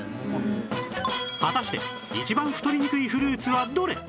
果たして一番太りにくいフルーツはどれ？